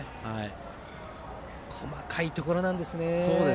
細かいところなんですね。